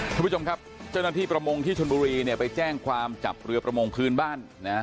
คุณผู้ชมครับเจ้าหน้าที่ประมงที่ชนบุรีเนี่ยไปแจ้งความจับเรือประมงพื้นบ้านนะ